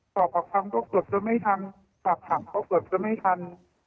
สอบผักทั้งก็เกือบจะไม่ทันสอบถามก็เกือบจะไม่ทัน